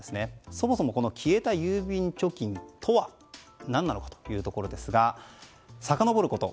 そもそもこの消えた郵便貯金とは何なのかというところですがさかのぼること